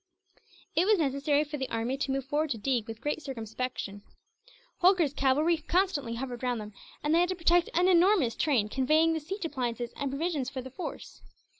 It was necessary for the army to move forward to Deeg with great circumspection. Holkar's cavalry constantly hovered round them, and they had to protect an enormous train conveying the siege appliances and provisions for the force.